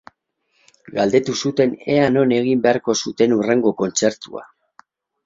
Galdetu zuten ea non egin beharko zuten hurrengo kontzertua.